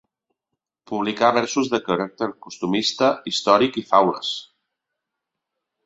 Publicà versos de caràcter costumista, històric i faules.